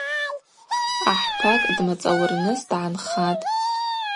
Ахӏпакӏ дмацӏауырныс дгӏанхатӏ.